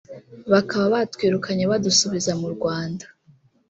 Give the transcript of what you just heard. bakaba batwirukanye badusubiza mu Rwanda